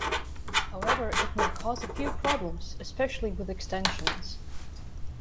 However, it may cause a few problems, especially with extensions.